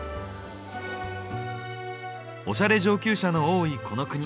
オシャレ上級者の多いこの国。